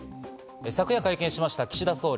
昨夜会見しました岸田総理。